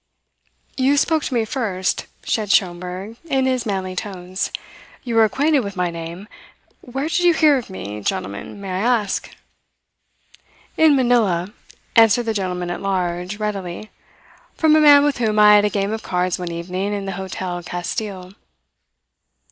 "You spoke to me first," said Schomberg in his manly tones. "You were acquainted with my name. Where did you hear of me, gentlemen, may I ask?" "In Manila," answered the gentleman at large, readily. "From a man with whom I had a game of cards one evening in the Hotel Castille."